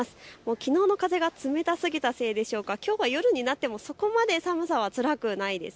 きのうの風が冷たすぎたせいでしょうか、東京は夜になってもそこまで寒さはつらくないです。